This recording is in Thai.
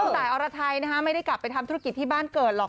ตายอรไทยไม่ได้กลับไปทำธุรกิจที่บ้านเกิดหรอก